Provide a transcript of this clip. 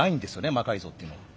魔改造っていうのは。